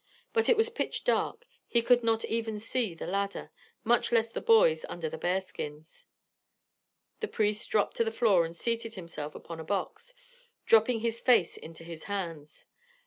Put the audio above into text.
But it was pitch dark. He could not even see the ladder, much less the boys under the bear skins. The priest dropped to the floor and seated himself upon a box, dropping his face into his hands.